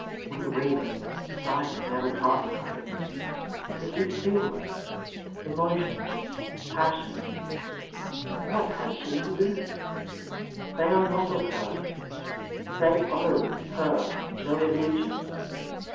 With reason science never parts company, but with feeling, emotion, passion, what has she to do ? They are not of her ; they owe her no allegiance.